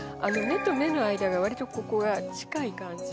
目と目の間が割と近い感じ